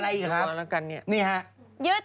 อะไรอีกครับ